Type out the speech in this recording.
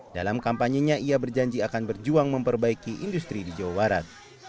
dalam kampanyenya ia berjanji akan berjuang memperbaiki industri di jawa barat